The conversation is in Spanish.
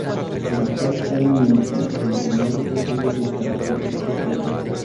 Pero cada estadio embrionario presenta sus características propias.